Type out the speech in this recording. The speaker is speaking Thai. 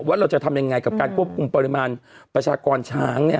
ว่าเราจะทำยังไงกับการควบคุมปริมาณประชากรช้าง